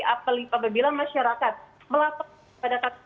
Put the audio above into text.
apabila masyarakat melaporkan kepada kami